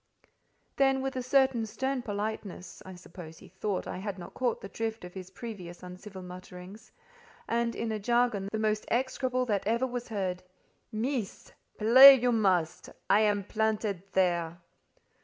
Then, with a certain stern politeness (I suppose he thought I had not caught the drift of his previous uncivil mutterings), and in a jargon the most execrable that ever was heard, "Meess——, play you must: I am planted there."